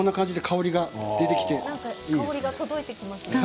香りが届いてきました。